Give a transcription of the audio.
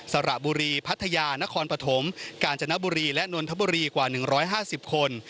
สระบุรีพัทยานครปฐมกาญจนบุรีและนนทบุรีกว่า๑๕๐คน